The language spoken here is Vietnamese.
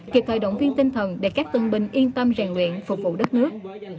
kịp thời động viên tinh thần để các tân binh yên tâm rèn luyện phục vụ đất nước